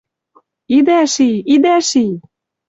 — Идӓ ши! Идӓ ши!